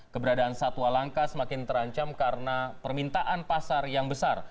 keberadaan satwa langka semakin terancam karena permintaan pasar yang besar